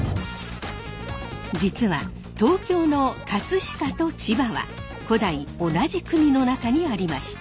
実は東京の飾と千葉は古代同じ国の中にありました。